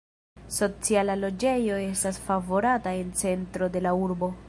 Sociala loĝejo estas favorata en centro de la urbo.